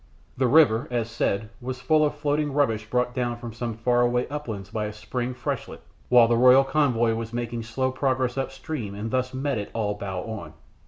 The river, as said, was full of floating rubbish brought down from some far away uplands by a spring freshet while the royal convoy was making slow progress upstream and thus met it all bow on.